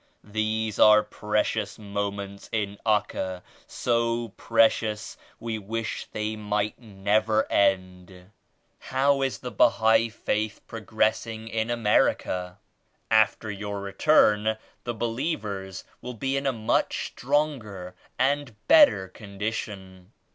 These are precious mo ments in Acca ; so precious we wish they might never end. How is the Bahai Faith progress ing in America? After you return the believers will be in a much stronger and better condition.